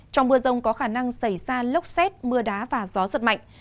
trong mưa rông có khả năng xảy ra lốc xét mưa đá và gió giật mạnh